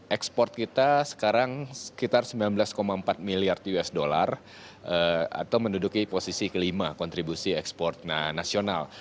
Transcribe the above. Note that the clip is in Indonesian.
ekspor kita sekarang sekitar sembilan belas empat miliar usd atau menduduki posisi kelima kontribusi ekspor nasional